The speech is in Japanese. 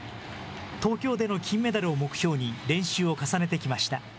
東京での金メダルを目標に、練習を重ねてきました。